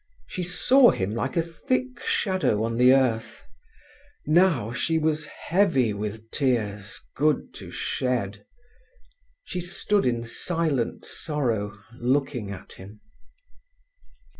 She saw him like a thick shadow on the earth. Now she was heavy with tears good to shed. She stood in silent sorrow, looking at him.